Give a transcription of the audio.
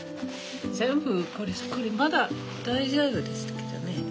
全部これまだ大丈夫ですけどね。